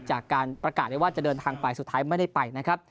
จากการประกาศเลยว่าจะเดินทางไปสุดท้ายไม่ได้ไปนะครับ